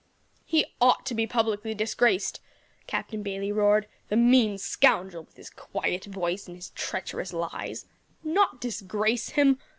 "He ought to be publicly disgraced," Captain Bayley roared, "the mean scoundrel, with his quiet voice and his treacherous lies. Not disgrace him?